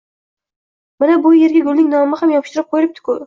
Mana bu erga gulning nomi ham yopishtirib qo`yilibdi-ku